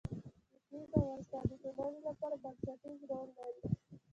اقلیم د افغانستان د ټولنې لپاره بنسټيز رول لري.